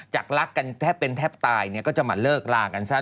รักกันแทบเป็นแทบตายก็จะมาเลิกลากันซะ